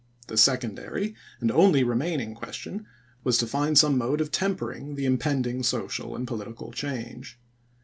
The secondary and only remain ing question was to find some mode of tempering the impending social and political change.